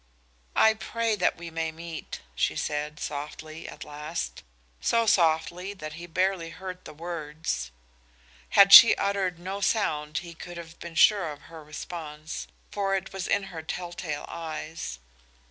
"I pray that we may meet," she said, softly, at last, so softly that he barely heard the words. Had she uttered no sound he could have been sure of her response, for it was in her telltale eyes.